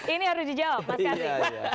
ini harus dijawab mas karti